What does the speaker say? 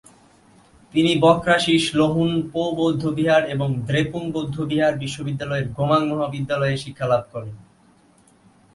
তিনি ব্ক্রা-শিস-ল্হুন-পো বৌদ্ধবিহার এবং দ্রেপুং বৌদ্ধবিহার বিশ্ববিদ্যালয়ের গোমাং মহাবিদ্যালয়ে শিক্ষালাভ করেন।